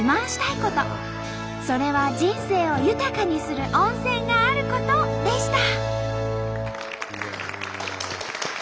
それは「人生を豊かにする温泉があること」でした。